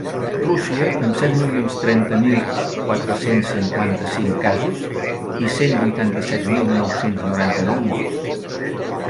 Rússia, amb set milions trenta mil quatre-cents cinquanta-cinc casos i cent vuitanta-set mil nou-cents noranta morts.